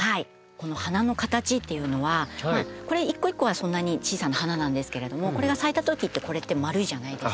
この花の形っていうのはこれ一個一個はそんなに小さな花なんですけれどもこれが咲いたときってこれってまるいじゃないですか。